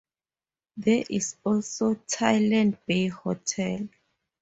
There is also Talland Bay Hotel.